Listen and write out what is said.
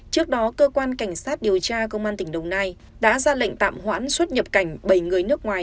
trước đó cơ quan cảnh sát điều tra công an tỉnh đồng nai đã ra lệnh tạm hoãn xuất nhập cảnh bảy người nước ngoài